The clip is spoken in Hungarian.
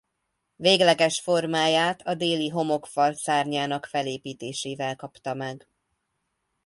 Végleges formáját a déli homlokfal szárnyának felépítésével kapta meg.